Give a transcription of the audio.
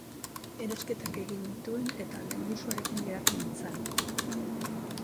Erosketak egin nituen eta lehengusuarekin geratu nintzen.